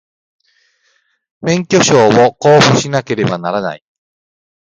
免許証を交付しなければならない